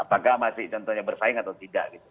apakah masih contohnya bersaing atau tidak gitu